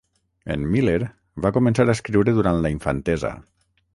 En Miller va començar a escriure durant la infantesa.